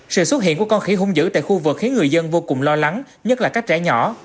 sự xuất hiện của con khỉ hung dữ tại khu vực khiến người dân vô cùng lo lắng nhất là các trẻ nhỏ